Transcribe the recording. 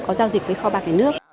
có giao dịch với kho bạc nhà nước